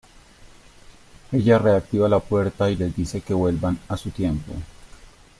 Ella reactiva la puerta y les dice que vuelvan a su tiempo.